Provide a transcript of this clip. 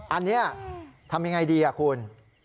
อันนี้ทำยังไงดีคุณ